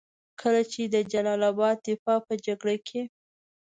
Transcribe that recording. کله چې د جلال اباد د دفاع په جګړه کې.